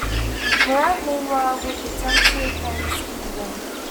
Murat, meanwhile, would attempt to reclaim his kingdom.